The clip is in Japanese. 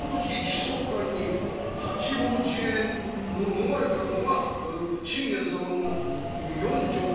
ひそかに八王子へ逃れたのが信玄様の四女の松姫。